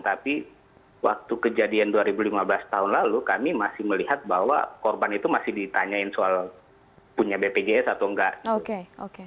tapi waktu kejadian dua ribu lima belas tahun lalu kami masih melihat bahwa korban itu masih ditanyain soal punya bpjs atau enggak